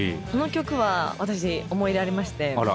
この曲は私思い出ありまして。